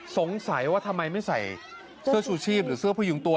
สงสัยว่าทำไมไม่ใส่เสื้อชูชีพหรือเสื้อผู้หญิงตัว